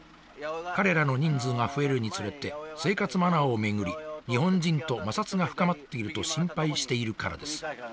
彼らの人数が増えるにつれて生活マナーをめぐり日本人と摩擦が深まっていると心配しているからです